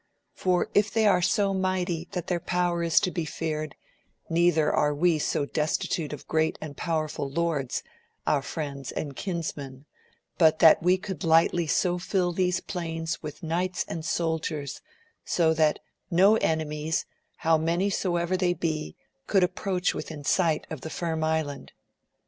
For if they are so mighty that their power is to be feared, neither are we so destitute of great and powerful lords, our friends and kinsmen, but that we could lightly so fill these plains with knights and soldiers, so that no enemies, how many soever they be, could approach within sight of the Firm Island.